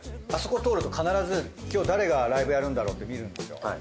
あそこ通ると必ず今日誰がライブやるんだろうって見るんですよ。